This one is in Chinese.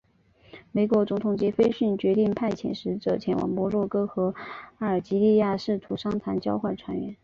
美国总统杰斐逊决定派遣使者前往摩洛哥和阿尔及利亚试图商谈交换船员。